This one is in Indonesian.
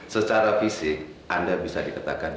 secara fisik anda bisa dikatakan